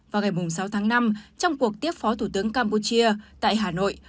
vào ngày sáu tháng năm trong cuộc tiếp phó thủ tướng campuchia tại hà nội